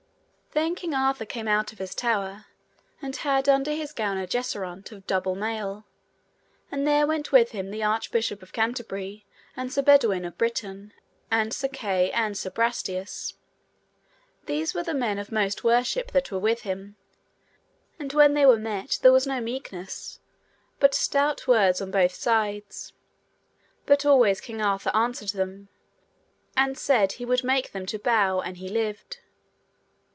Then King Arthur came out of his tower, and had under his gown a jesseraunt of double mail, and there went with him the Archbishop of Canterbury, and Sir Baudwin of Britain, and Sir Kay, and Sir Brastias: these were the men of most worship that were with him. And when they were met there was no meekness, but stout words on both sides; but always King Arthur answered them, and said he would make them to bow an he lived.